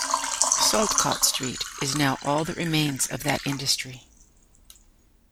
"Saltcote Street" is now all that remains of that industry.